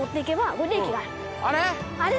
あれ？